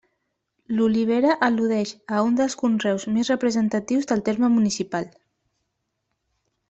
L'olivera al·ludeix a un dels conreus més representatius del terme municipal.